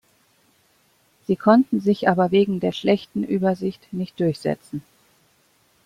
Sie konnten sich aber wegen der schlechten Übersicht nicht durchsetzen.